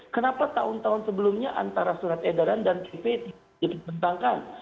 kenapa tahun tahun sebelumnya antara surat edaran dan pp tidak dipertentangkan